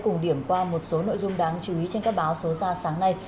chúng ta sẽ cùng điểm qua một số nội dung đáng chú ý trên các báo số xa sáng nay